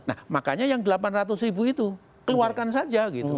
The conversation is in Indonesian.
nah makanya yang delapan ratus ribu itu keluarkan saja gitu